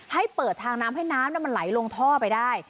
ให้เปิดทางน้ำให้น้ำมันไหลลงท่อไปได้